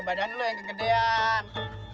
eh badan lu yang kegedean